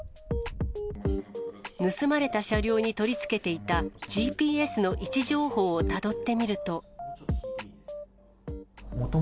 盗まれた車両に取り付けていたＧＰＳの位置情報をたどってみると。